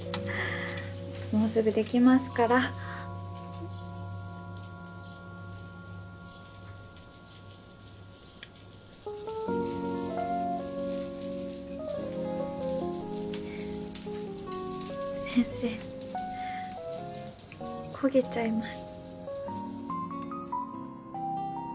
もうすぐできますから先生焦げちゃいます